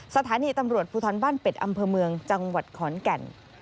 สถานีตำรวจภูทรบ้านเป็ดอำเภอเมืองจังหวัดขอนแก่น